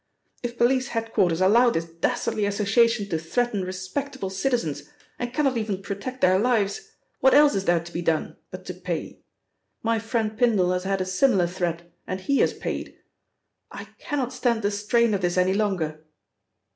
"If police head quarters allow this dastardly association to threaten respectable citizens, and cannot even protect their lives, what else is there to be done, but to pay. My friend Pindle has had a similar threat, and he has paid. I cannot stand the strain of this any longer."